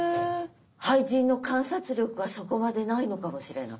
俳人の観察力がそこまでないのかもしれない。